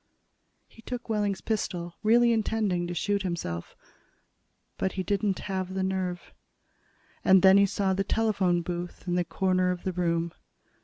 He took Wehling's pistol, really intending to shoot himself. But he didn't have the nerve. And then he saw the telephone booth in the corner of the room.